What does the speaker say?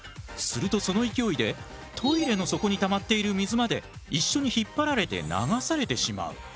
するとその勢いでトイレの底にたまっている水まで一緒に引っ張られて流されてしまう。